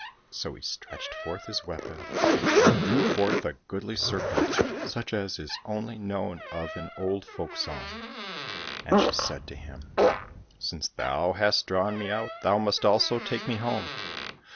So he stretched forth his weapon, and drew forth a goodly serpent, such as is only known of in old folk songs. And she said to him,\" Since thou hast drawn me out, thou must also take me home."